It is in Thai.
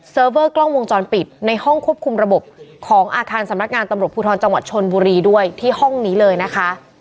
เวอร์กล้องวงจรปิดในห้องควบคุมระบบของอาคารสำนักงานตำรวจภูทรจังหวัดชนบุรีด้วยที่ห้องนี้เลยนะคะ